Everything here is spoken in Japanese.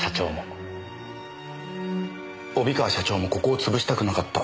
帯川社長もここを潰したくなかった。